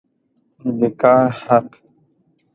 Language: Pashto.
د کار حق